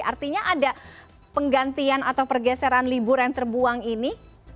artinya ada penggantian atau pergeseran libur yang terbuang ini